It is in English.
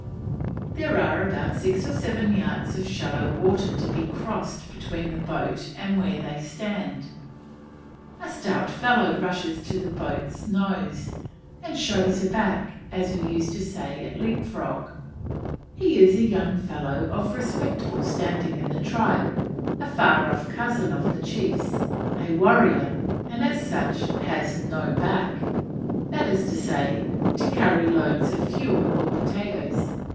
There are about six or seven yards of shallow water to be crossed between the boat and where they stand. A stout fellow rushes to the boat's nose, and "shows a back," as we used to say at leap frog. He is a young fellow of respectable standing in the tribe, a far off cousin of the chief's, a warrior, and as such has no back: that is to say, to carry loads of fuel or potatoes.